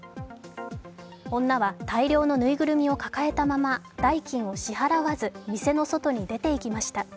女は大量のぬいぐるみを抱えたまま代金を支払わず店の外に出ていきました。